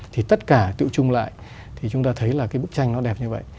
thì tất cả tự trung lại thì chúng ta thấy là cái bức tranh nó đẹp như vậy